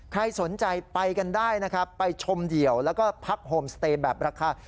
ใครสนใจไปกันได้นะครับไปชมเดี่ยวแล้วก็พักโฮมสเตย์แบบราคา